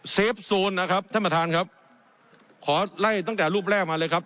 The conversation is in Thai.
ฟโซนนะครับท่านประธานครับขอไล่ตั้งแต่รูปแรกมาเลยครับ